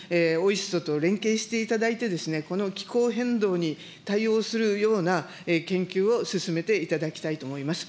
と連携していただいて、この気候変動に対応するような、研究を進めていただきたいと思います。